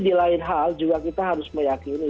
di lain hal juga kita harus meyakini